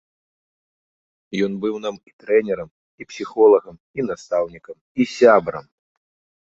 Ён быў нам і трэнерам, і псіхолагам, і настаўнікам, і сябрам!!!